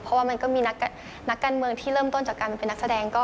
เพราะว่ามันก็มีนักการเมืองที่เริ่มต้นจากการเป็นนักแสดง